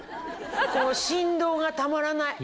この振動がたまらない！